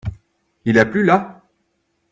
Il a plu là ?